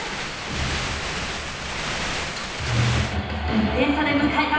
１点差で迎えた